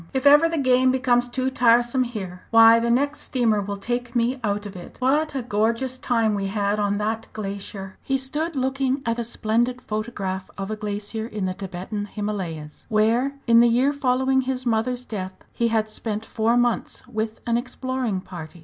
"If ever the game becomes too tiresome here, why, the next steamer will take me out of it! What a gorgeous time we had on that glacier!" He stood looking at a splendid photograph of a glacier in the Thibetan Himalayas, where, in the year following his mother's death, he had spent four months with an exploring party.